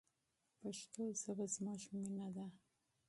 پښتو ژبه زموږ مینه ده.